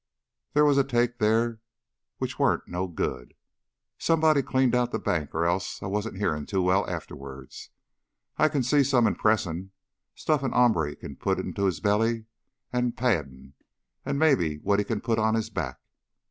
"There was a take theah which warn't no good. Somebody cleaned out the bank, or else I wasn't hearin' too well afterward. I can see some impressin' stuff an hombre can put in his belly as paddin', an' maybe what he can put on his back.